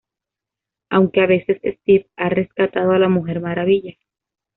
Aunque, a veces, Steve ha rescatado a la Mujer Maravilla.